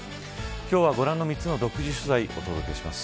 今日はご覧の３つの独自取材を届けします。